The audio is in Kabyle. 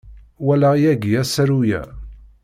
Walaɣ yagi asaru-a.